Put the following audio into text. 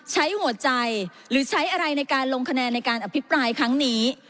ใช้หัวใจหรือใช้อะไรในการลงคะแนนในการอภิปรายครั้งนี้